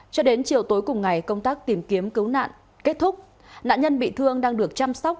cho đến chiều tối cùng ngày công tác tìm kiếm cứu nạn kết thúc nạn nhân bị thương đang được chăm sóc